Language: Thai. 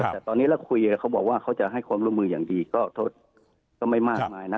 แต่ตอนนี้เราคุยกับเขาบอกว่าเขาจะให้ความร่วมมืออย่างดีก็โทษก็ไม่มากมายนะ